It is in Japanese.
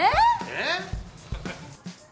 えっ？